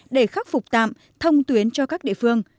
để khắc phục tạm thông tuyến cho các địa phương